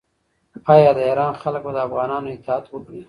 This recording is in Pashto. آیا د ایران خلک به د افغانانو اطاعت وکړي؟